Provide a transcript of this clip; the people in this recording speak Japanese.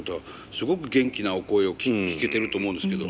すごく元気なお声を聴けてると思うんですけど。